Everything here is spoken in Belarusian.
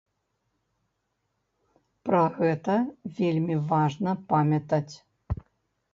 Пра гэта вельмі важна памятаць.